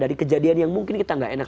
dari kejadian yang mungkin kita gak enak